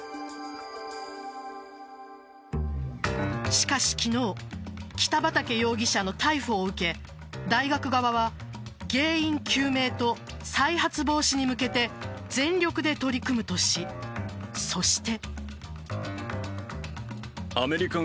しかし、昨日北畠容疑者の逮捕を受け大学側は原因究明と再発防止に向けて全力で取り組むとし、そして。